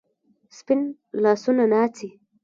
سپین لاسونه ناڅي